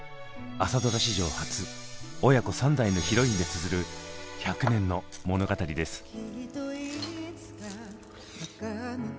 朝ドラ史上初親子三代のヒロインでつづる１００年の物語です。